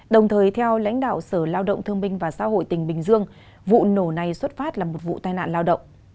đồng thời theo lãnh đạo sở lao động thương minh và xã hội tỉnh bình dương vụ nổ này xuất phát là một vụ tai nạn lao động